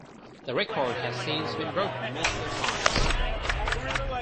The record has since been broken multiple times.